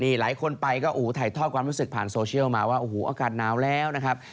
นี่หลายคนไปก็ถ่ายทอดความรู้สึกผ่านโซเชียลมาว่าโอ้โหอากาศหนาวแล้วนะครับ